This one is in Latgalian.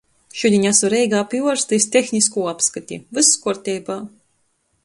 Šudiņ asu Reigā pi uorsta iz tehniskū apskati. Vyss kuorteibā.